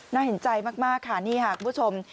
น่าเห็นใจมากค่ะนี่ค่ะคุณผู้ชม